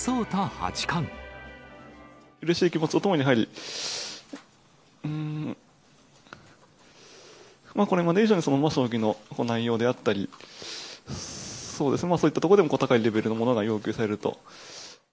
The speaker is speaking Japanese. うれしい気持ちとともに、やはり、うーん、これまで以上に将棋の内容であったり、そうですね、そういったところでも高いレベルのものが要求されると。